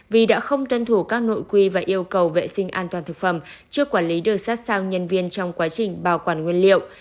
vì đã không tuân thủ các nội quy và yêu cầu vệ sinh an toàn thực phẩm chưa quản lý được sát sao nhân viên trong quá trình bảo quản nguyên liệu